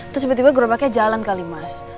terus tiba tiba kerobaknya jalan kali mas